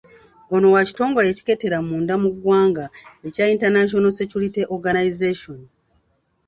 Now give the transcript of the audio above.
Ono wa kitongole ekikettera munda mu ggwanga ekya Internal Security Organisation.